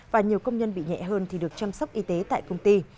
và nhiều công nhân bị nhẹ hơn thì được chăm sóc y tế tại công ty